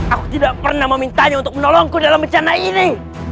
aku tidak pernah memintanya untuk menolongku dalam bencana ini